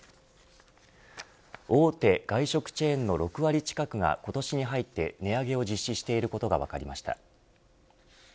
大手外食チェーンの６割近くが今年に入って値上げを実施していることが分かりました。